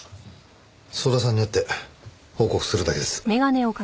早田さんに会って報告するだけです。